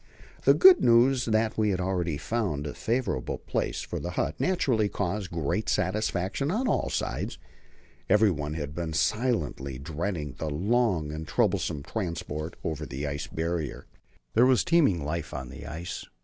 The good news that we had already found a favourable place for the hut naturally caused great satisfaction on all sides. Everyone had been silently dreading the long and troublesome transport over the Ice Barrier. There was teeming life on the ice.